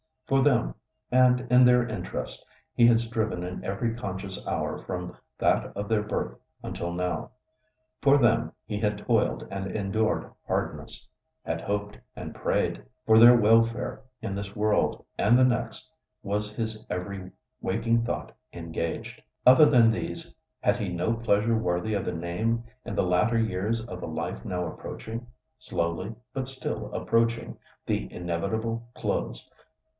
For them, and in their interest, he had striven in every conscious hour from that of their birth until now. For them he had toiled and endured hardness—had hoped and prayed. For their welfare in this world and the next was his every waking thought engaged. Other than these had he no pleasures worthy of the name in the latter years of a life now approaching—slowly, but still approaching—the inevitable close.